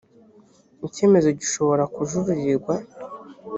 ikemezo gishobora kujuririrwa